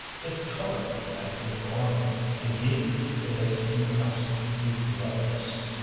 Its color had been gone indeed it had seemed absolutely bloodless.